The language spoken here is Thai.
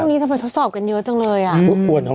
นี้ทำไมทดสอบกันเยอะจังเลยอ่ะ